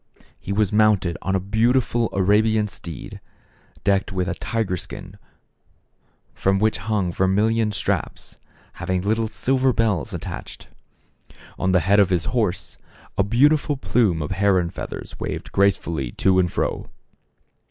He was mounted on a beautiful Arabian steed, decked with a tiger skin from which hung vermilion straps, having little silver bells attached. On the head of his horse, a beautiful plume of heron feathers waved grace fully to and fro.